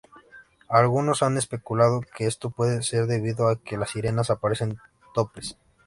Algunos han especulado que esto puede ser debido a que las sirenas aparecen topless.